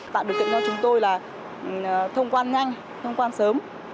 tạo điều kiện cho chúng tôi là thông quan nhanh thông quan sớm